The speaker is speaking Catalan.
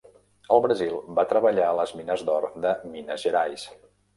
Al Brasil va treballar a les mines d'or de Minas Gerais.